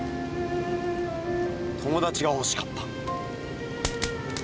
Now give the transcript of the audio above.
友達が欲しかった。